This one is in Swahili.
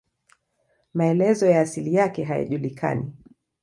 Maelezo ya asili yake hayajulikani.